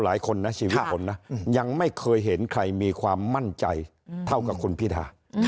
หลายคนนะชีวิตคนนะยังไม่เคยเห็นใครมีความมั่นใจเท่ากับคุณพิธา